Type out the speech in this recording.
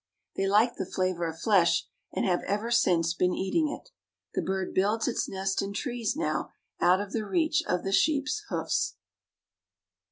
They liked the flavor of flesh, and have ever since been eating it. The bird builds its nest in trees now, out of the reach of the sheep's hoofs.